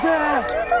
消えた！